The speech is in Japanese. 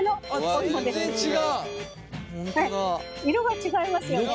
色が違いますよね。